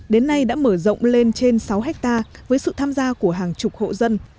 đến nay đã mở rộng lên trên sáu hectare với sự tham gia của hàng chục hộ dân